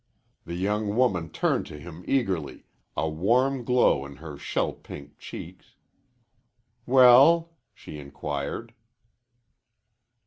The young woman turned to him eagerly, a warm glow in her shell pink cheeks. "Well?" she inquired.